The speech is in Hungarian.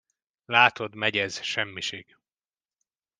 Látod, megy ez, semmiség.